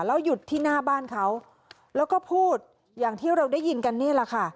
แล้วหยุดที่หน้าบ้านเขาแล้วก็พูดอย่างที่เราได้ยินกันนี่แหละค่ะ